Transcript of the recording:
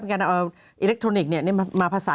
การเอาอิเล็กทรอนิกส์มาภาษา